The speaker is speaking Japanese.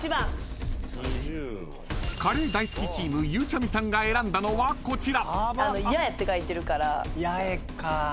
［カレー大好きチームゆうちゃみさんが選んだのはこちら］